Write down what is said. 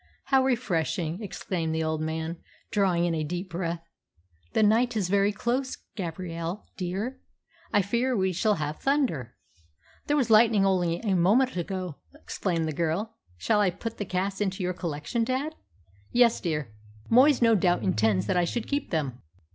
"How refreshing!" exclaimed the old man, drawing in a deep breath. "The night is very close, Gabrielle, dear. I fear we shall have thunder." "There was lightning only a moment ago," explained the girl. "Shall I put the casts into your collection, dad?" "Yes, dear. Moyes no doubt intends that I should keep them."